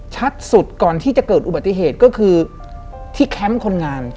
สุดก่อนที่จะเกิดอุบัติเหตุก็คือที่แคมป์คนงาน